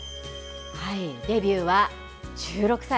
デビューは１６歳。